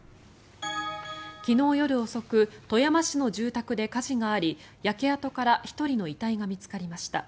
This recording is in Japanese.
昨日夜遅く富山市の住宅で火事があり焼け跡から１人の遺体が見つかりました。